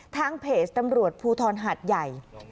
ทางเพจตำรวจภูทรหาดใหญ่